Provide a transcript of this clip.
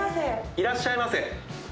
いらっしゃいませ。